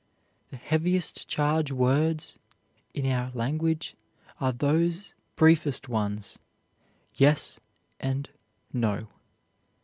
The heaviest charged words in our language are those briefest ones, "yes" and "no."